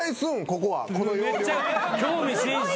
・めっちゃ興味津々。